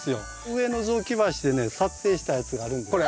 上の雑木林でね撮影したやつがあるんです。